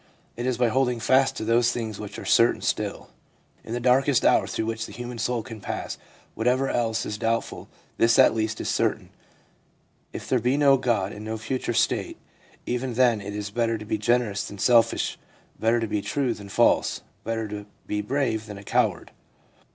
It is by holding fast to those things which are certain still. In the darkest hour through which the human soul can pass, whatever else is doubtful this at least is certain ; if there be no God and no future state, even then it is better to be generous than selfish, better to be true than false, better to be brave than a coward.